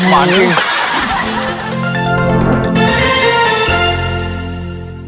มานี่